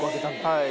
はい。